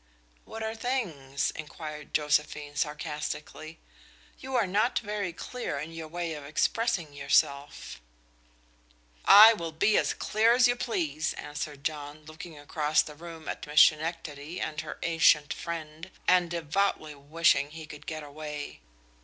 "What are 'things'?" inquired Josephine, sarcastically. "You are not very clear in your way of expressing yourself." "I will be as clear as you please," answered John, looking across the room at Miss Schenectady and her ancient friend, and devoutly wishing he could get away.